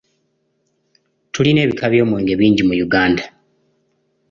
Tulina ebika by'omwenge bingi mu Uganda.